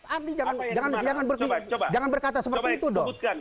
andi jangan berkata seperti itu dong